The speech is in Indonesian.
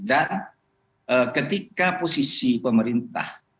dan ketika posisi pemerintah